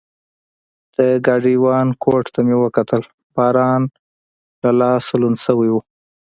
د ګاډیوان کوټ ته مې وکتل، باران له لاسه لوند شوی و.